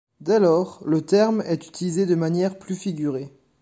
Dès lors le terme est utilisé de manière plus figurée.